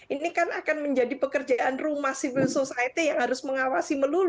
ini kan akan menjadi pekerjaan rumah civil society yang harus mengawasi melulu